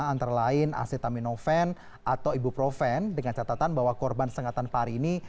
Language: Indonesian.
antara lain acetaminophen atau ibuprofen dengan catatan bahwa korban sengatan pari ini